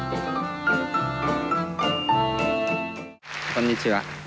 こんにちは。